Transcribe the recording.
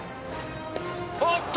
おっと！